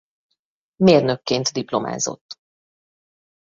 Mérnökként diplomázott.